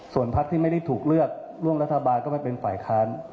ส่วนพักที่ไม่ได้ถูกเลือกร่วมรัฐบาลก็ไม่เป็นฝ่ายค้าน